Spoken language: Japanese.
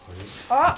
あっ！